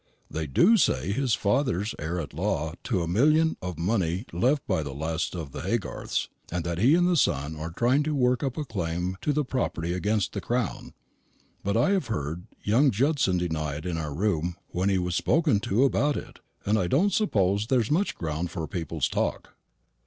They do say his father's heir at law to a million of money left by the last of the Haygarths, and that he and the son are trying to work up a claim to the property against the Crown. But I have heard young Judson deny it in our room when he was spoken to about it, and I don't suppose there's much ground for people's talk."